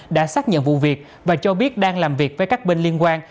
đã xác nhận vụ việc và cho biết đang làm việc với các bên liên quan